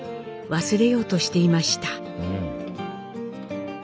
忘れようとしていました。